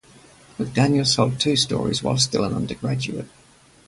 McDaniel sold two stories while still an undergraduate.